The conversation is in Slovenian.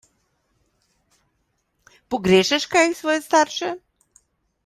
Pogrešaš kaj svoje starše?